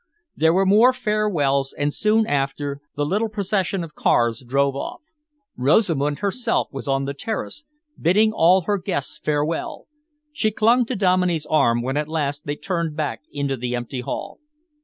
There were more farewells and, soon after, the little procession of cars drove off. Rosamund herself was on the terrace, bidding all her guests farewell. She clung to Dominey's arm when at last they turned back into the empty hall.